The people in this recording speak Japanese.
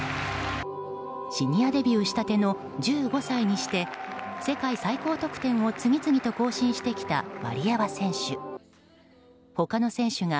シニアデビューしたての１５歳にして世界最高得点を次々と更新してきたワリエワ選手。